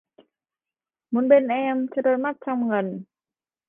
Muốn bên em cho đôi mắt trong ngần